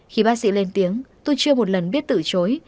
khi bác sĩ lên tiếng tôi chưa một lần biết từ chối